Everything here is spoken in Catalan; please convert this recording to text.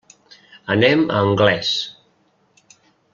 Anem a Anglès.